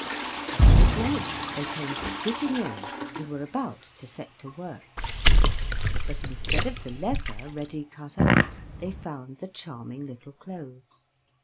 At midnight they came skipping in, and were about to set to work; but, instead of the leather ready cut out, they found the charming little clothes.